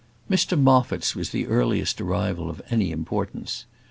Mr Moffat's was the earliest arrival of any importance.